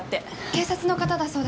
警察の方だそうですが。